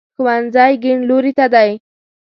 ښوونځی کیڼ لوري ته دی